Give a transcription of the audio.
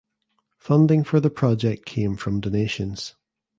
Funding for the project came from donations.